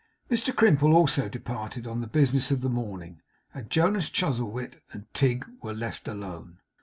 Mr Crimple also departed on the business of the morning; and Jonas Chuzzlewit and Tigg were left alone.